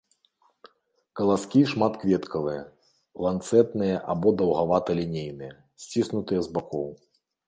Каласкі шматкветкавыя, ланцэтныя або даўгавата-лінейныя, сціснутыя з бакоў.